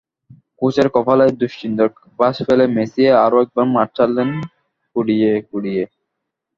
কোচের কপালে দুশ্চিন্তার ভাঁজ ফেলে মেসি আরও একবার মাঠ ছাড়লেন খুঁড়িয়ে খুঁড়িয়ে।